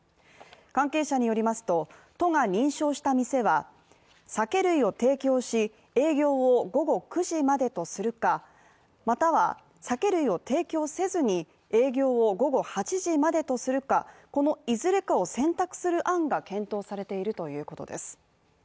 関係者によりますと、都が認証した店は酒類を提供し、営業を午後９時までとするか、または、酒類を提供せずに営業を午後８時までとするか、このいずれかを選択する案が検討されているということです。